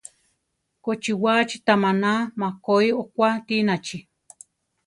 Kochiwaachi ta maná makoí okua tinachi?